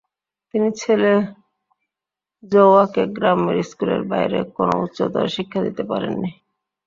তিনি ছেলে জোশুয়াকে গ্রামের স্কুলের বাইরে কোনো উচ্চতর শিক্ষা দিতে পারেননি।